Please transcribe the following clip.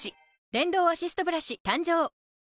電動アシストブラシ誕生